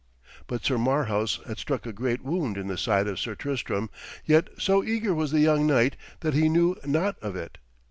But Sir Marhaus had struck a great wound in the side of Sir Tristram, yet so eager was the young knight that he knew not of it.